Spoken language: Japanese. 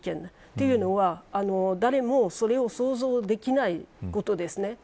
というのは、誰もそれを想像できないことですね。